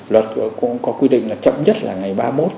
luật cũng có quy định là chậm nhất là ngày ba mươi một